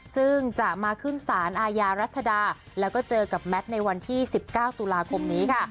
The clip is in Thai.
ซึ่งจะมาขึ้นสารอาญารัชดาแล้วก็เจอกับแมทในวันที่๑๙ตุลาคมนี้ค่ะ